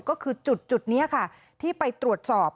ก็คือจุดนี้ค่ะที่ไปตรวจสอบ